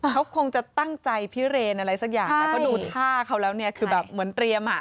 เขาคงจะตั้งใจพิเรนอะไรสักอย่างแล้วก็ดูท่าเขาแล้วเนี่ยคือแบบเหมือนเตรียมอ่ะ